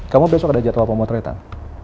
kamu besok ada jadwal pemotretan